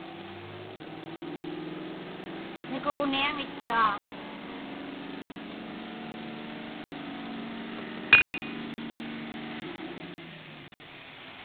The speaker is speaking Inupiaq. Miquġniaŋitkaa.